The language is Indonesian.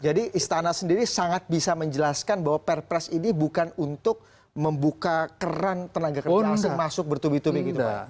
jadi istana sendiri sangat bisa menjelaskan bahwa perpres ini bukan untuk membuka keran tenaga tenaga kasar masuk bertubi tubi gitu pak